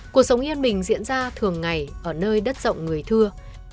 cuộc sống yên bình diễn ra thường ngày ở nơi đất rộng người thưa